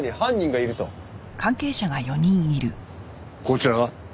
こちらは？